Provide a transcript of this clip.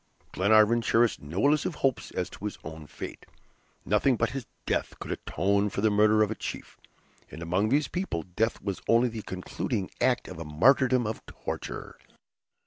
Glenarvan cherished no illusive hopes as to his own fate; nothing but his death could atone for the murder of a chief, and among these people death was only the concluding act of a martyrdom of torture.